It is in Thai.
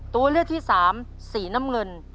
ตัวเลือกที่สามสีน้ำเงิน